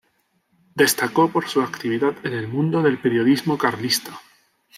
Destacó por su actividad en el mundo del periodismo carlista.